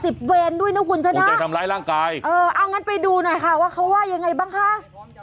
สิบเวนด้วยนะคุณฉะนั้นเออเอางั้นไปดูหน่อยค่ะว่าเขาว่ายังไงบ้างคะ